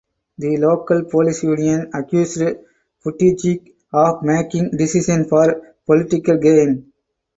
The local police union accused Buttigieg of making decisions for political gain.